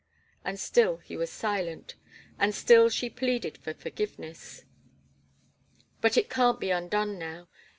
And still he was silent, and still she pleaded for forgiveness. "But it can't be undone, now.